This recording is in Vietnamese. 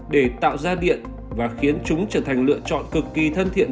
để tạo ra điện và khiến chúng trở thành lựa chọn cực kỳ thân thiện